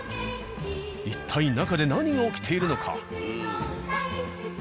一体中で何が起きているのか。